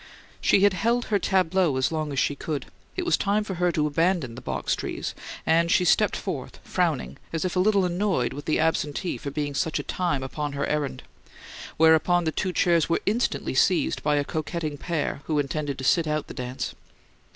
She had held her tableau as long as she could; it was time for her to abandon the box trees; and she stepped forth frowning, as if a little annoyed with the absentee for being such a time upon her errand; whereupon the two chairs were instantly seized by a coquetting pair who intended to "sit out" the dance.